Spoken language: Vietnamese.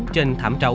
trên thảm trấu